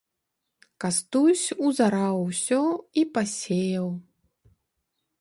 Кастусь узараў усё і пасеяў.